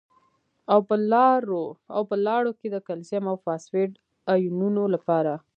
او په لاړو کې د کلسیم او فاسفیټ ایونونو لپاره